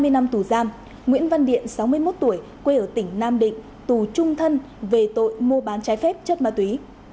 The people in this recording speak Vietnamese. hai mươi năm tù giam nguyễn văn điện sáu mươi một tuổi quê ở tỉnh nam định tù trung thân về tội mua bán trái phép chất ma túy